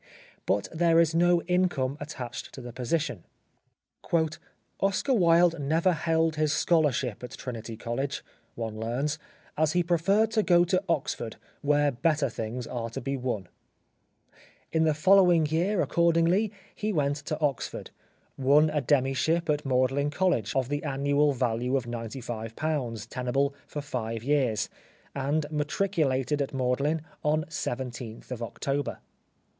But there is no income attached to the position. " Oscar Wilde never held his scholarship at Trinity College," one learns, "as he preferred to go to Oxford, where better things are to be won." In the following year, accordingly, he went to Oxford, won a demyship at Magdalen College, of the annual value of £95, tenable for five years, and matriculated at Magdalen on 17th October.